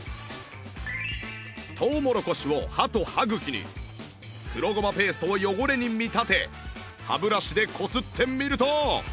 トウモロコシを歯と歯茎に黒ごまペーストを汚れに見立て歯ブラシでこすってみると